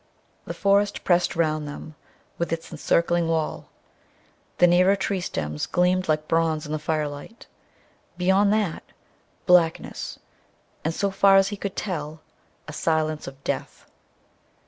The forest pressed round them with its encircling wall; the nearer tree stems gleamed like bronze in the firelight; beyond that blackness, and, so far as he could tell, a silence of death.